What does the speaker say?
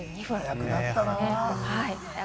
早くなったね。